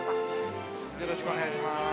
◆よろしくお願いします。